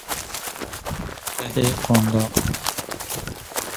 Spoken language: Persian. ته قنداق